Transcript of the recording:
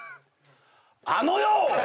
あのよ！